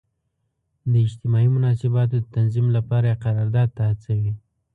د اجتماعي مناسباتو د تنظیم لپاره یې قرارداد ته هڅوي.